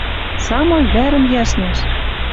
Самой вӓрӹм йӓшнӓш!